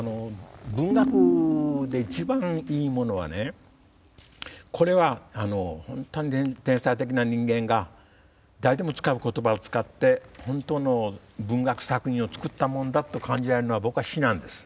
文学で一番いいものはこれは本当に天才的な人間が誰でも使う言葉を使って本当の文学作品を作ったもんだと感じられるのは僕は詩なんです。